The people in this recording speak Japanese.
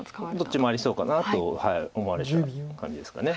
どっちもありそうかなと思われた感じですか。